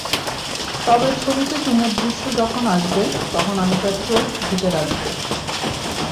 তবে ছবিতে চুমুর দৃশ্য যখন আসবে, তখন আমি তার চোখ ঢেকে রাখব।